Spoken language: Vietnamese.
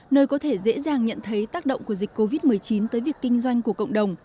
nơi có thể dễ dàng nhận thấy tác động của dịch covid một mươi chín tới việc kinh doanh của cộng đồng